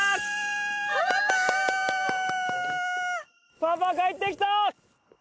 パパ帰ってきた！